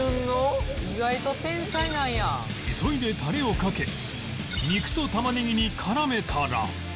急いでタレをかけ肉とタマネギに絡めたら